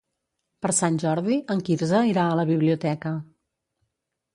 Per Sant Jordi en Quirze irà a la biblioteca.